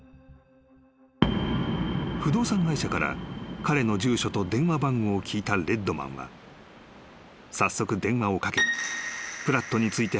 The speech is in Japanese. ［不動産会社から彼の住所と電話番号を聞いたレッドマンは早速］